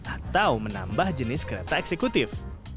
atau menambah jenis kereta eksekutif